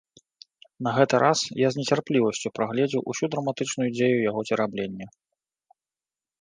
На гэты раз я з нецярплівасцю прагледзеў усю драматычную дзею яго цераблення.